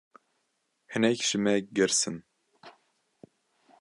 Hinek ji me girs in.